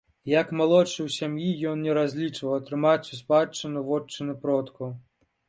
Як малодшы ў сям'і ён не разлічваў атрымаць у спадчыну вотчыны продкаў.